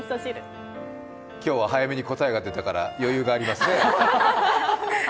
今日は早めに答えが出たから余裕がありますね。